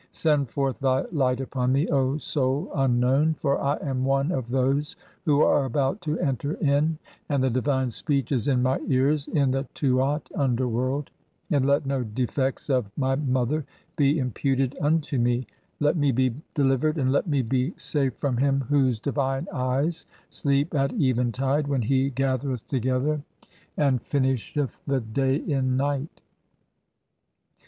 Send forth thy light upon me, O Soul "unknown, for I am [one] of those who are about to enter in, "and the divine speech is in (12) [my] ears in the Tuat (under "worldj, and let no defects of my mother be [imputed] unto me ; "let me be delivered and let me be safe from (i3) him whose "divine eyes sleep at eventide, when [he] gathereth together and "finisheth [the day] in night.